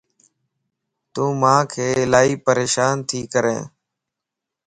تو مانک الائي پريشان تي ڪرين